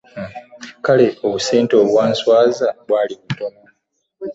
Kale obusente obwanswaza bwali butono.